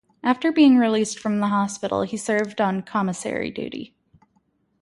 After being released from the hospital, he served on commissary duty.